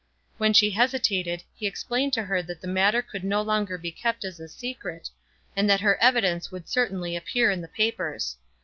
When she hesitated, he explained to her that the matter could no longer be kept as a secret, and that her evidence would certainly appear in the papers.